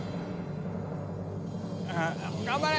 頑張れ！